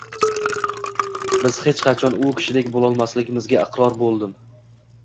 Biz hech qachon u kishidek bo’lolmasligimizga iqror bo’ldim.